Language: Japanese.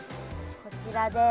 こちらです。